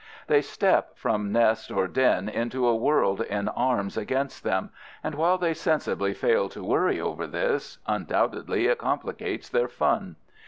They step from nest or den into a world in arms against them, and while they sensibly fail to worry over this, undoubtedly it complicates their fun.